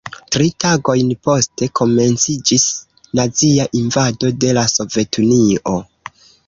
Tri tagojn poste komenciĝis nazia invado de la Sovetunio.